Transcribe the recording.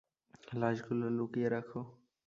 লাশগুলো লুকিয়ে রাখ।